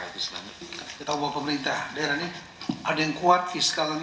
kita tahu bahwa pemerintah daerah ini ada yang kuat fiskalnya